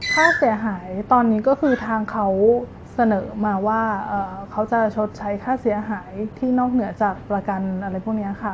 ค่าเสียหายตอนนี้ก็คือทางเขาเสนอมาว่าเขาจะชดใช้ค่าเสียหายที่นอกเหนือจากประกันอะไรพวกนี้ค่ะ